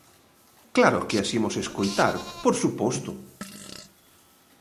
¡Claro que as imos escoitar, por suposto!